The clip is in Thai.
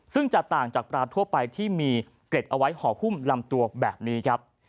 ซึ่งจะต่างจากปลาทั่วไปที่มีเกร็ดเอาไว้ห่อหุ้มลำตัวแบบนี้ครับ